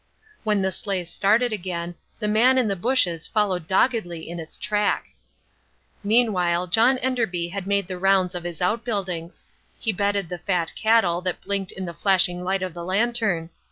When the sleigh started again the man in the bushes followed doggedly in its track. Meanwhile John Enderby had made the rounds of his outbuildings. He bedded the fat cattle that blinked in the flashing light of the lantern.